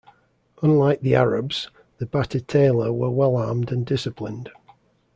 Unlike the Arabs, the Batetela were well-armed and disciplined.